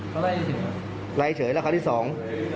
เขาไล่เฉยไล่เฉยราคาที่สอง